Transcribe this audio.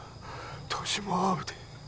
年も合うで